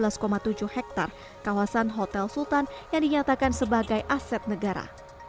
atas lahan seluas tiga belas tujuh hektare kawasan hotel sultan yang dinyatakan sebagai aset negara